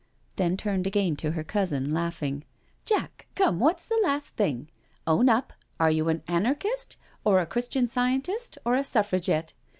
Then turned again to her cousin, laughing. *' Jack, come, what's the last thing? Own up — are you an Anarchist or a Christian Scientist or a Suffragette?